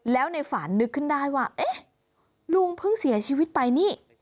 แล้วในฝันนึกขึ้นได้ว่าเอ๊ะลุงเพิ่งเสียชีวิตไปนี่